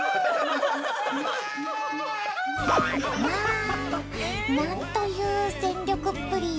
わあ何という全力っぷり。